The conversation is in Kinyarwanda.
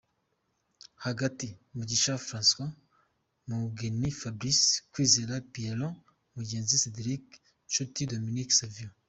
Hagati: Mugisha Francois, Mugheni Fabrice, Kwizera Pierrot, Mugenzi Cedrick, Nshuti Dominique Savio.